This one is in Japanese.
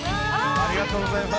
ありがとうございます。